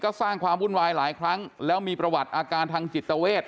ก็สร้างความวุ่นวายหลายครั้งแล้วมีประวัติอาการทางจิตเวท